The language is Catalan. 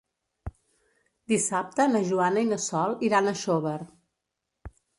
Dissabte na Joana i na Sol iran a Xóvar.